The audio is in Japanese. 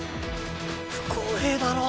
不公平だろ。